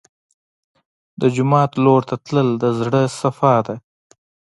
د جومات لور ته تلل د زړه صفا ده.